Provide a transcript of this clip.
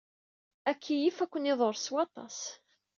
Akeyyef ad ken-iḍurr s waṭas.